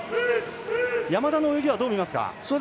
山田の泳ぎはどう見ますか？